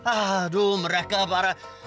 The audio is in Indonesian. aduh mereka parah